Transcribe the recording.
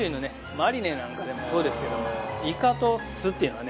マリネなんかでもそうですけどもイカと酢っていうのはね